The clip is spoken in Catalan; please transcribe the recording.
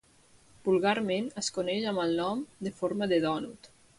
Vulgarment, es coneix amb el nom de forma de dònut.